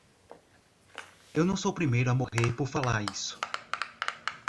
Eu não sou o primeiro a morrer por falar isso.